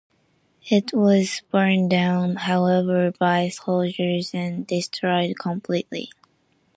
It was burned down however by soldiers and destroyed completely.